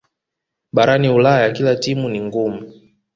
barani ulaya kila timu ni ngumu